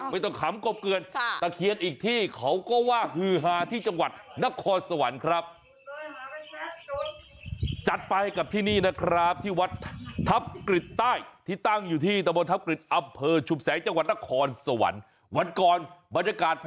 ขำกบเกลือนตะเคียนอีกที่เขาก็ว่าฮือฮาที่จังหวัดนครสวรรค์ครับ